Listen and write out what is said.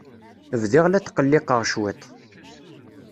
Bdiɣ la tqelliqeɣ cwiṭ.